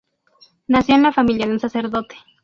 Nació en la familia de un sacerdote.